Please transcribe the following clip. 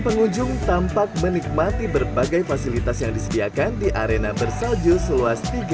pengunjung tampak menikmati berbagai fasilitas yang disediakan di arena bersalju seluas